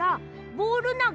ボールなげ！